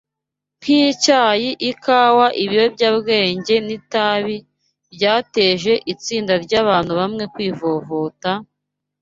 nk’icyayi, ikawa, ibiyobyabwenge, n’itabi, byateje itsinda ry’abantu bamwe kwivovota,